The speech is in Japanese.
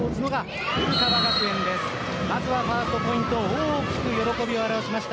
まずはファーストポイント大きく喜びを表しました